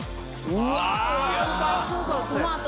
うわ！